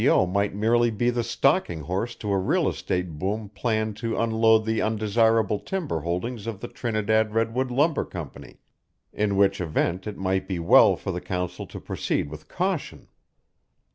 O. might merely be the stalking horse to a real estate boom planned to unload the undesirable timber holdings of the Trinidad Redwood Lumber Company, in which event it might be well for the council to proceed with caution.